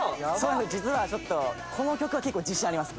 実はちょっとこの曲は結構自信あります。